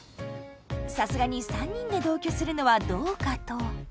さすがに３人で同居するのはどうかと。